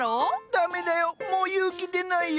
駄目だよもう勇気出ないよ。